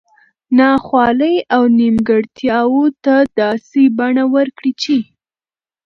نا خوالي او نیمګړتیاوو ته داسي بڼه ورکړي چې